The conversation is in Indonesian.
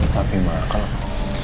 tapi mak kalau